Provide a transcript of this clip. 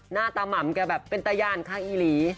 หน้าตาม่ำแกแบบเป็นตายานข้างอีหลี